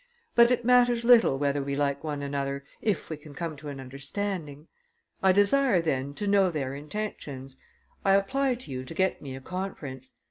But it matters little whether we like one another, if we can come to an understanding. I desire, then, to know their intentions. I apply to you to get me a conference.